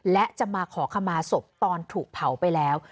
และจะมาขอขมาศพตอนถูกเผาไปแล้ว